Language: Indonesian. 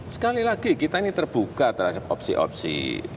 sekali lagi kita ini terbuka terhadap opsi opsi